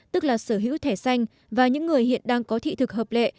tức là sở hữu thẻ xanh và những người hiện đang có thị thực hợp lệ